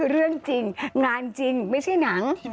เรื่องจริงงานจริงไม่ใช่หนัง